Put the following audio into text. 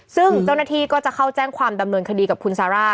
ซึ่งเจ้าหน้าที่ก็จะเข้าแจ้งความดำเนินคดีกับคุณซาร่า